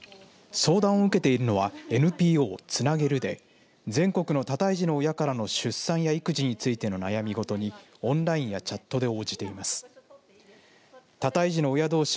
相談を受けているのはＮＰＯつなげるで全国の多胎児の親からの出産や育児についての悩みごとにオンラインやチャットで応じています。